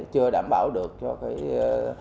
chưa đảm bảo được cho cái